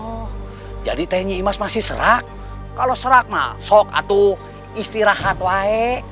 oh jadi teman teman masih serak kalau serak maka bisa istirahat saja